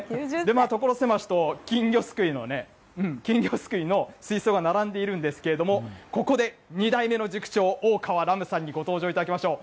所狭しと、金魚すくいの水槽が並んでいるんですけれども、ここで２代目の塾長、大河来夢さんにご登場いただきましょう。